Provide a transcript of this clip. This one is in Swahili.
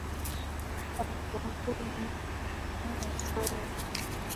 Hapa kuna raha sana